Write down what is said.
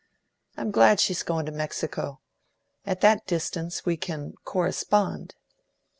I'm glad she's going to Mexico. At that distance we can correspond."